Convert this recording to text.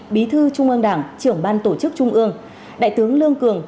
bí thư trung ương đảng trưởng ban tổ chức trung ương đại tướng lương cường